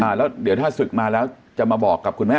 แล้วเดี๋ยวถ้าศึกมาแล้วจะมาบอกกับคุณแม่